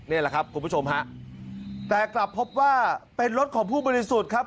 นี่แหละครับคุณผู้ชมฮะแต่กลับพบว่าเป็นรถของผู้บริสุทธิ์ครับ